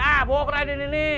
ah bohong raden ini